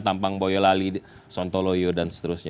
tampang boyolali sontoloyo dan seterusnya